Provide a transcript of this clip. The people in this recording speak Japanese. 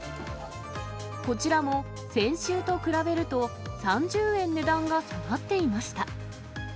こちらも先週と比べると、３０円値段が下がっていました。